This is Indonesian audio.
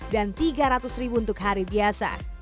dan tiga ratus ribu untuk hari biasa